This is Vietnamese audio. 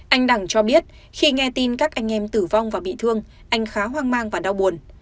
anh đẳng cho biết khi nghe tin các anh em tử vong và bị thương anh khá hoang mang và đau buồn